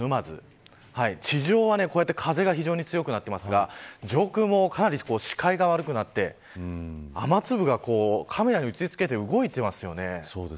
地上は非常に風が強くなってますが、上空もかなり視界が悪くなって雨粒がカメラに打ち付けて動いてますよね。